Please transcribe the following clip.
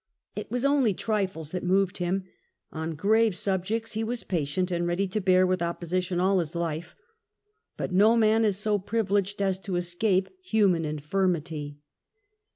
It was only trifles that moved him : on grave subjects he was patient and ready to bear with opposition all his life ; but no man is so privileged as to escape human infirmity.